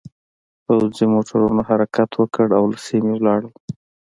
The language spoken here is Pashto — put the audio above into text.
پوځي موټرونو حرکت وکړ او له سیمې لاړل